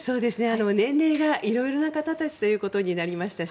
年齢が色々な方たちということになりましたし